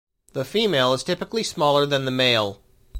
The female is typically smaller than the male.